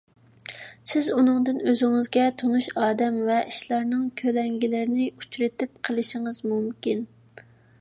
سىز ئۇنىڭدىن ئۆزىڭىزگە تونۇش ئادەم ۋە ئىشلارنىڭ كۆلەڭگىلىرىنى ئۇچرىتىپ قېلىشىڭىز مۇمكىن.